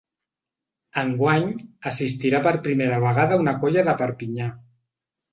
Enguany assistirà per primera vegada una colla de Perpinyà.